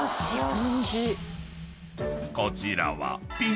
［こちらは］